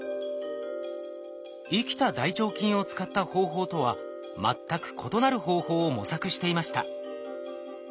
生きた大腸菌を使った方法とは全く異なる方法を模索していました。